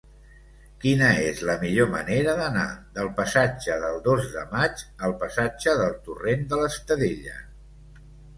Quina és la millor manera d'anar del passatge del Dos de Maig al passatge del Torrent de l'Estadella?